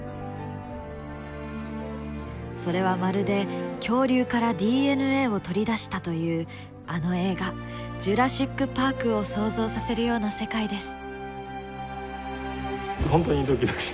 それはまるで恐竜からＤＮＡを取り出したというあの映画「ジュラシック・パーク」を想像させるような世界です。